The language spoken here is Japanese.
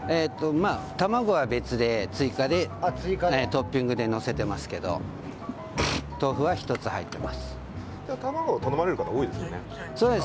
卵は追加でトッピングでのせてますけど豆腐は、１つ入っています。